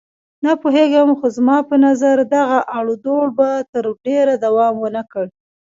نه پوهېږم، خو زما په نظر دغه اړودوړ به تر ډېره دوام ونه کړي.